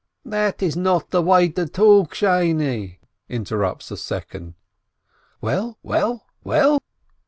— "That is not the way to talk, Sheine !" interrupts a second. — "Well, well, well